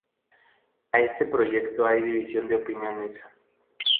A este respecto hay división de opiniones.